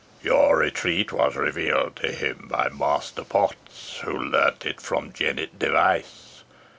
Your retreat was revealed to him by Master Potts, who learnt it from Jennet Device.